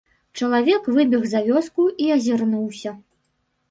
Чалавек выбег за вёску і азірнуўся.